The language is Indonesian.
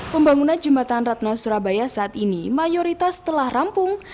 pembangunan jembatan ratna surabaya saat ini mayoritas telah rampung